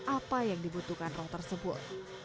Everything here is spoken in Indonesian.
apa yang dibutuhkan roh tersebut